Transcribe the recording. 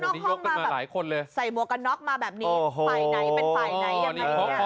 แล้วนอกห้องมาใส่บวกกันน็อกมาแบบนี้ฝ่ายไหนเป็นฝ่ายไหนยังไงเนี่ย